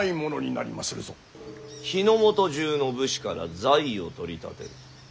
日本中の武士から財を取り立てる。